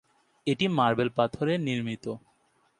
এটি মার্বেল পাথরে নির্মিত।